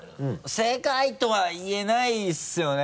正解とは言えないですよね？